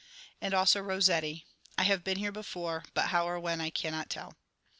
And also Rossetti : I have been here before, But how or when I cannot tell.